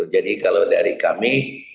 jadi kalau dari kami